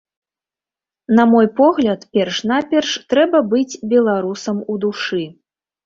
На мой погляд, перш-наперш трэба быць беларусам у душы.